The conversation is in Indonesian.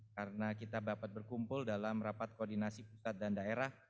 karena kita dapat berkumpul dalam rapat koordinasi bukat dan daerah